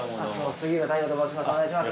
杉浦太陽と申します。